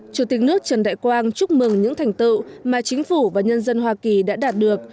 chủ tịch nước trần đại quang chúc mừng những thành tựu mà chính phủ và nhân dân hoa kỳ đã đạt được